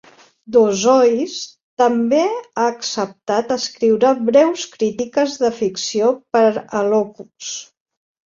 Dozois també ha acceptat escriure breus crítiques de ficció per a "Locus".